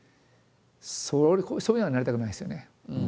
そういうふうにはなりたくないですよね。